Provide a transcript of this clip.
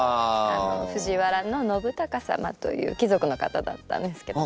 藤原宣孝様という貴族の方だったんですけど。